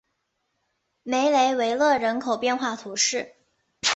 梅雷维勒人口变化图示